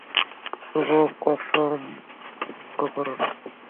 তবুও কসম ভঙ্গ করো না।